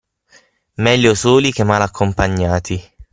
Meglio soli che male accompagnati.